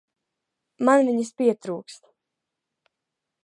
Man viņas pietrūkst.